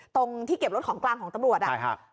ตรงที่เก็บรถของกลางของตำรวจอ่ะใช่ฮะ